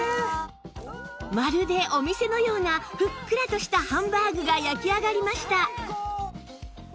まるでお店のようなふっくらとしたハンバーグが焼き上がりました